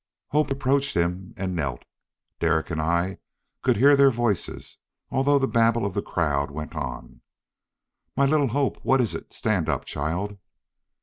Hope approached him and knelt. Derek and I could hear their voices, although the babble of the crowd went on. "My little Hope, what is it? Stand up, child."